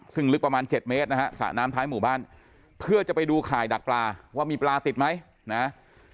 ซึ่งลึกประมาณ๗เมตรนะฮะสระน้ำท้ายหมู่บ้านเพื่อจะไปดูข่ายดักปลาว่ามีปลาติดไหมนะ